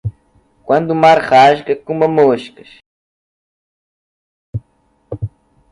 Quando o mar se rasga, coma moscas.